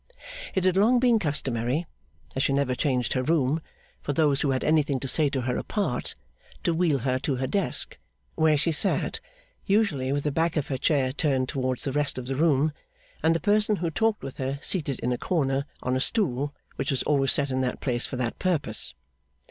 It had long been customary, as she never changed her room, for those who had anything to say to her apart, to wheel her to her desk; where she sat, usually with the back of her chair turned towards the rest of the room, and the person who talked with her seated in a corner, on a stool which was always set in that place for that purpose.